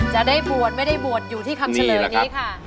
จะได้บวชไม่ได้บวชอยู่ที่คำเฉลยนี้ค่ะ